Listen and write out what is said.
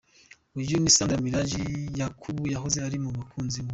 Uyu ni sandra Miraji na Yakubu wahoze ari umukunzi we.